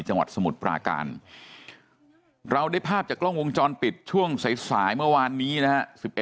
จังหวัดสมุทรปราการเราได้ภาพจากกล้องวงจรปิดช่วงสายสายเมื่อวานนี้นะฮะ